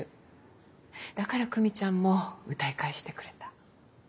だから久美ちゃんも歌い返してくれた。